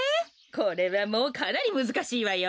これはもうかなりむずかしいわよ。